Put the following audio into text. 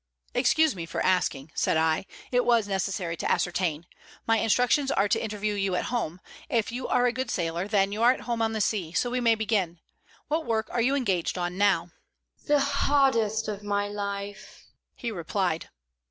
"Excuse me for asking," said I. "It was necessary to ascertain. My instructions are to interview you at home. If you are a good sailor, then you are at home on the sea, so we may begin. What work are you engaged on now?" "The hardest of my life," he replied.